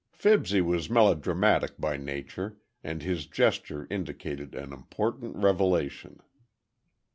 Fibsy was melodramatic by nature, and his gesture indicated an important revelation.